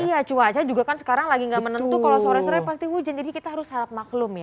iya cuaca juga kan sekarang lagi nggak menentu kalau sore sore pasti hujan jadi kita harus harap maklum ya